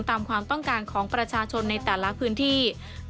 ตามความต้องการของประชาชนในแต่ละพื้นที่